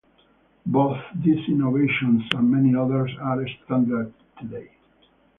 Both these innovations and many others are standard today.